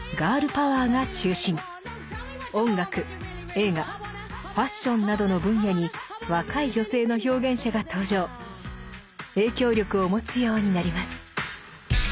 音楽映画ファッションなどの分野に若い女性の表現者が登場影響力を持つようになります。